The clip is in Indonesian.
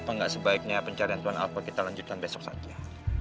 apa nggak sebaiknya pencarian tuan alpha kita lanjutkan besok saja